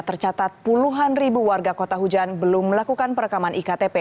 tercatat puluhan ribu warga kota hujan belum melakukan perekaman iktp